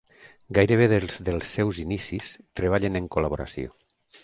Gairebé des dels seus inicis treballen en col·laboració.